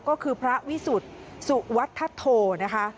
ก็คือพระวิสุทธิ์สุวัฒโธนะคะ